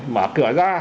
mở cửa ra